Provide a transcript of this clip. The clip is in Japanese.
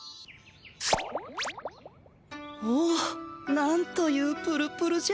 おなんというプルプルじゃ。